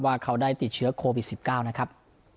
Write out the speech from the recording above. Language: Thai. ว่าเขาได้ติดเชื้อโควิด๑๙นะครับ